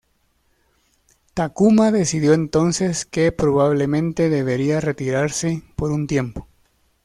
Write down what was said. Takuma decidió entonces que probablemente debía retirarse por un tiempo.